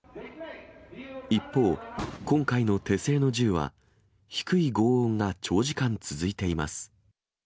一方、今回の手製の銃は、低いごう音が長時間続いています。